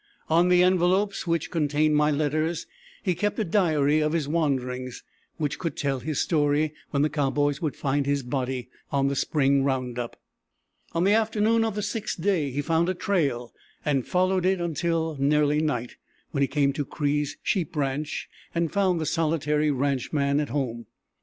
On the envelopes which contained my letters he kept a diary of his wanderings, which could tell his story when the cowboys would find his body on the spring round up. On the afternoon of the sixth day he found a trail and followed it until nearly night, when he came to Cree's sheep ranch, and found the solitary ranchman at home.